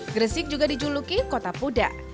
gresik juga dijuluki kota puda